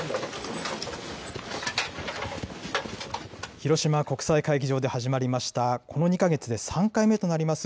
広島国際会議場で始まりました、この２か月で３回目となります